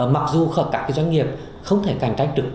mặc dù các cái doanh nghiệp không thể cạnh tranh được